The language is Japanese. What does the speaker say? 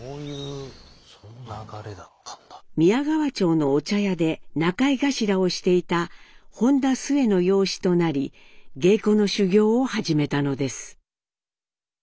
宮川町のお茶屋で仲居頭をしていた本田スエの養子となり芸妓の修業を始めたのです。